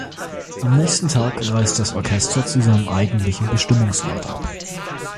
Am nächsten Tag reist das Orchester zu seinem eigentlichen Bestimmungsort ab.